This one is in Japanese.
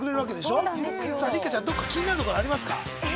六花ちゃんどこか気になる所はありますか。